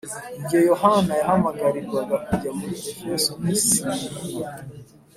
Igihe Yohana yahamagarirwaga kujya muri Efeso n’i Simuruna